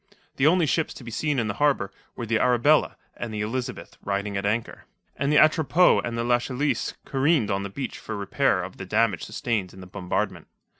The only ships to be seen in the harbour were the Arabella and the Elizabeth riding at anchor, and the Atropos and the Lachesis careened on the beach for repair of the damage sustained in the bombardment.